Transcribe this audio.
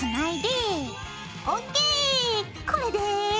これで。